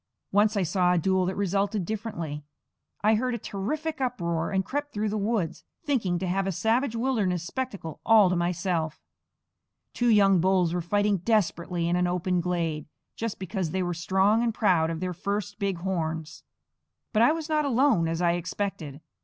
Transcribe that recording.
Once I saw a duel that resulted differently. I heard a terrific uproar, and crept through the woods, thinking to have a savage wilderness spectacle all to myself. Two young bulls were fighting desperately in an open glade, just because they were strong and proud of their first big horns. But I was not alone, as I expected.